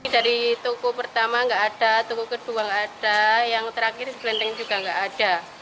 dari toko pertama nggak ada toko kedua nggak ada yang terakhir dilenteng juga nggak ada